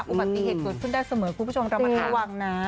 อุบัติเหตุผลขึ้นได้เสมอคุณผู้ชมต้องระวังนะ